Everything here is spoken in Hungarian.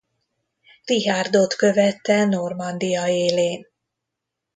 Richárdot követte Normandia élén.